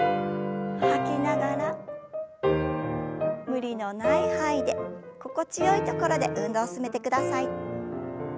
無理のない範囲で心地よいところで運動を進めてください。